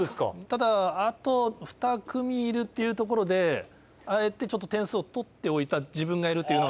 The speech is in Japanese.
ただあと２組いるっていうところであえて点数を取っておいた自分がいるっていうのが正直です。